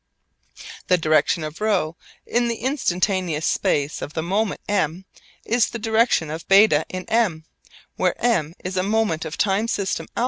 The direction of ρ in the instantaneous space of the moment M is the direction of β in M, where M is a moment of time system α.